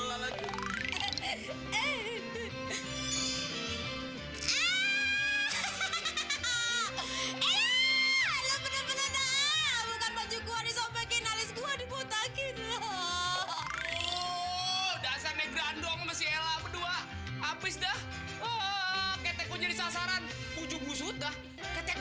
oh dasar negeran dong masih elah kedua habis dah oh keteknya disasaran ujung usut dah ketek